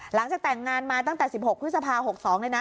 หลังจากแต่งงานมาตั้งแต่๑๖พฤษภา๖๒เลยนะ